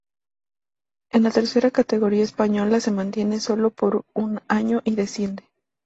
En la tercera categoría española se mantiene sólo por un año y desciende.